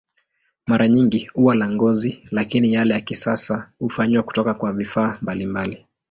Mara nyingi huwa la ngozi, lakini yale ya kisasa hufanywa kutoka kwa vifaa mbalimbali.